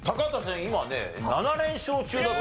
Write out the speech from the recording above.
今ね７連勝中だそうですから。